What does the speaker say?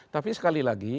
tapi sekali lagi